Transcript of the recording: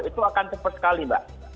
itu akan cepat sekali mbak